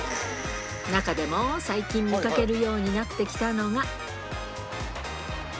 中でも、最近、見かけるようになってきたのが。